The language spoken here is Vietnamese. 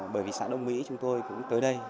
bởi vì xã đông mỹ chúng tôi cũng tới đây